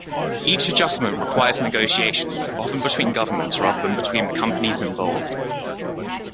Each adjustment requires negotiations, often between governments rather than between the companies involved.